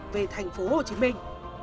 về thành phố hồ chí minh